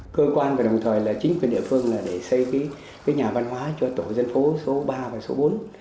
cơ quan và đồng thời là chính quyền địa phương để xây cái nhà văn hóa cho tổ dân phố số ba và số bốn